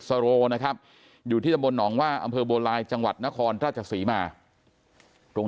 สโรนะครับอยู่ที่สมนองว่าอำเภอโบราณจังหวัดนครราชศรีมาตรง